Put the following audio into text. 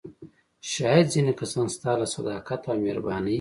شاید ځینې کسان ستا له صداقت او مهربانۍ.